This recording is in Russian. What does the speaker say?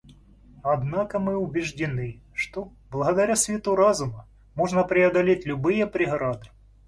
Однако мы убеждены, что, благодаря свету разума, можно преодолеть любые преграды.